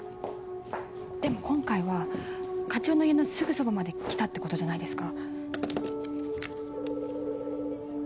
でも今回は課長の家のすぐそばまで来たってことじゃないですか。